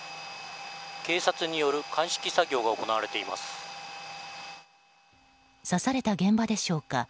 警察による刺された現場でしょうか